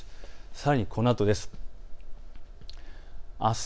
さらにこのあとです。